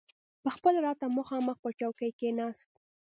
پخپله راته مخامخ پر چوکۍ کښېناست.